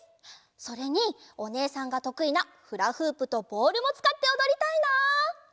それにおねえさんがとくいなフラフープとボールもつかっておどりたいな！